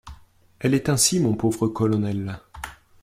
Elle est ainsi, mon pauvre colonel.